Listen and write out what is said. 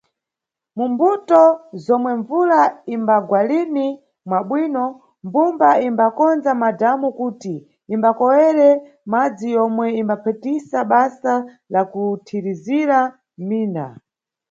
Mu mbuto zomwe mbvula imbagwa lini mwabwino, mbumba imbakonza madhamu kuti imbakoyere madzi yomwe imbaphatisa basa la kuthirizira mʼminda.